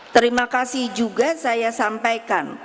terima kasih juga saya sampaikan